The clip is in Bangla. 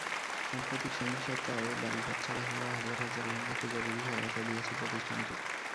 সাম্প্রতিক সহিংসতায় বাড়িঘর ছাড়া হওয়া হাজার হাজার রোহিঙ্গাকে জরুরি সহায়তা দিয়েছে প্রতিষ্ঠানটি।